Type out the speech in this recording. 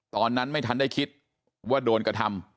ตอนนั้นไม่ทันได้คิดว่าโดนกระทำ